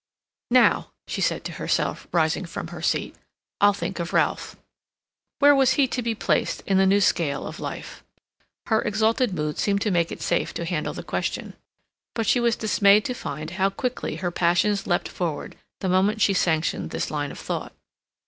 "Now," she said to herself, rising from her seat, "I'll think of Ralph." Where was he to be placed in the new scale of life? Her exalted mood seemed to make it safe to handle the question. But she was dismayed to find how quickly her passions leapt forward the moment she sanctioned this line of thought.